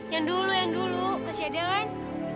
yang dulu yang dulu masih ada kan